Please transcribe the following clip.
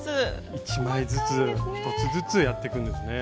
１枚ずつ１つずつやっていくんですね。